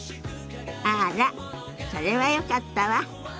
あらそれはよかったわ。